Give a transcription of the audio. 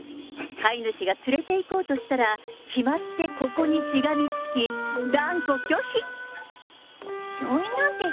飼い主が連れて行こうとしたら、決まってここにしがみつき、断固拒否。